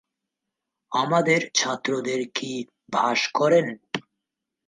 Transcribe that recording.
আমাদের ছাত্রদের কি বাস করেন?